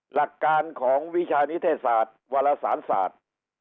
หลักการของวิชานิเทศศาสตร์วารสารศาสตร์